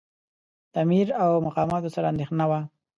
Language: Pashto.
د امیر او مقاماتو سره اندېښنه وه.